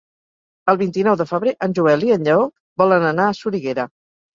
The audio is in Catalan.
El vint-i-nou de febrer en Joel i en Lleó volen anar a Soriguera.